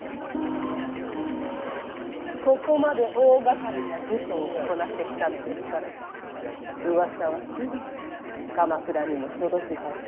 ここまで大がかりな呪詛を行ってきたのですからうわさはすぐに鎌倉にも届くはず。